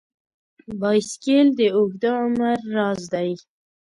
بایسکل د اوږده عمر راز دی.